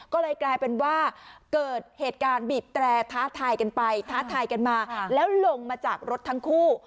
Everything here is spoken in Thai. ก็เลยกลายเป็นว่าเกิดเหตุการณ์บีบแตรท้าทายกันไปท้าทายกันมาแล้วลงมาจากรถทั้งคู่